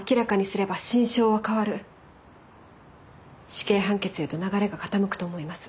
死刑判決へと流れが傾くと思います。